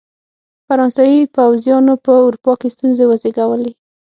فرانسوي پوځیانو په اروپا کې ستونزې وزېږولې.